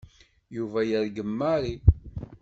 Yuba yergem Mary.